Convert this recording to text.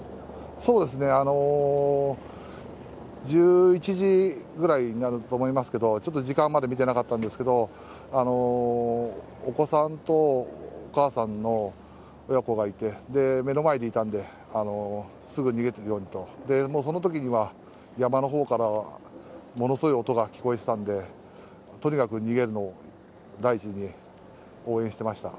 そうですね、１１時ぐらいになると思いますけど、ちょっと時間まで見てなかったんですけど、お子さんとお母さんの親子がいて、目の前にいたんで、すぐ逃げるようにと、もうそのときには、山のほうからはものすごい音が聞こえてたんで、とにかく逃げるのを第一に応援してました。